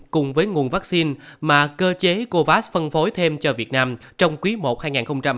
cùng với nguồn vaccine mà cơ chế covax phân phối thêm cho việt nam trong quý i hai nghìn hai mươi